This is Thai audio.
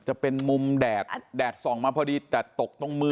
จะเป็นมุมแดดแดดส่องมาพอดีแต่ตกตรงมือ